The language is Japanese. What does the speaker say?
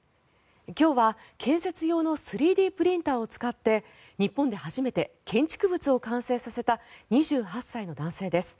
今日は建設用の３Ｄプリンターを使って日本で初めて建築物を完成させた２８歳の男性です。